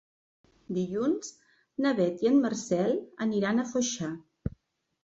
Dilluns na Beth i en Marcel aniran a Foixà.